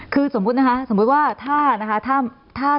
คือสมมุติว่าถ้า